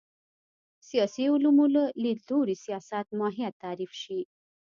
سیاسي علومو له لید لوري سیاست ماهیت تعریف شي